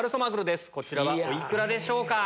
こちらはお幾らでしょうか？